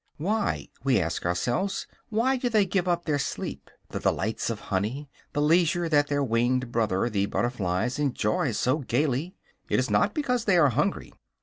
Why, we ask ourselves, why do they give up their sleep, the delights of honey, the leisure that their winged brother, the butterfly, enjoys so gaily? It is not because they are hungry.